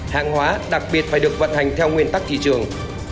hàng hóa đặc biệt phải được vận hành theo nguyên tắc thị trường